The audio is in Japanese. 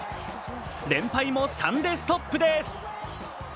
連敗も３でストップです。